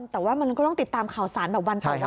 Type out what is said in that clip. แต่ว่ามันก็ต้องติดตามข่าวสารแบบวันต่อวัน